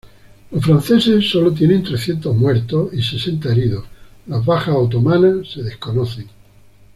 Los franceses solo tienen trescientos muertos y sesenta heridos; las bajas otomanas se desconocen.